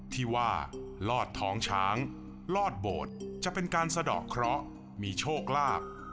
ที่ว่าลอดท้องช้างลอดโบสถ์จะเป็นการสะดอกเคราะห์มีโชคลาภ